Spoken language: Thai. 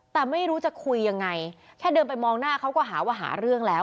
แต่ไม่รู้จะคุยยังไงแค่เดินไปมองหน้าเขาก็หาว่าหาเรื่องแล้ว